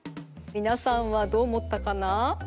みなさんはどう思ったかな？